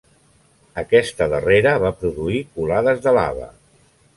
Aquesta darrera va produir colades de lava.